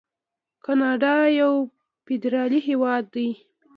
کاناډا یو فدرالي هیواد دی.